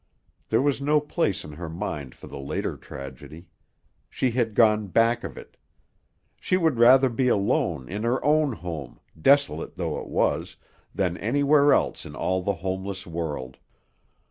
There was no place in her mind for the later tragedy. She had gone back of it. She would rather be alone in her own home, desolate though it was, than anywhere else in all the homeless world.